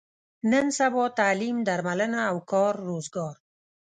نن سبا تعلیم، درملنه او کار روزګار.